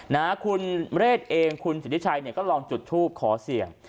นะคุณเรศเองคุณสิทธิชัยเนี่ยก็ลองจุดทูปขอเสี่ยง